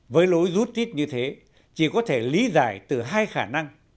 với lối rút tít như thế chỉ có thể lý giải từ hai khả năng